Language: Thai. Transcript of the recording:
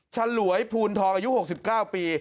ชาหลวยภูณธองอายุ๖๙ปี